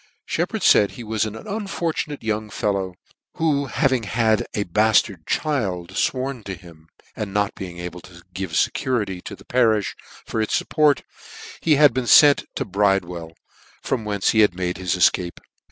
Sheppard faid he was an unfortunate young fellow, who having had a bartard child fworn to him, and not being able to give fecurity to the parifh for its fupport, he had been fent to Bridewell, from whence he had made his efcape.